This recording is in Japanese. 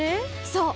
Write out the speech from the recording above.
そう！